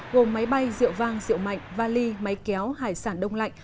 gồm máy bay rượu vang rượu mạnh vali máy kéo hải sản đông lạnh